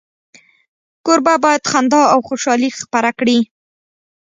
کوربه باید خندا او خوشالي خپره کړي.